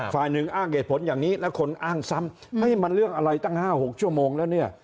ฝ่ายหนึ่งอ้างเหตุผลอย่างนี้แล้วคนอ้างซ้ำมันเรื่องอะไรตั้ง๕๖ชั่วโมงแล้วเนี่ย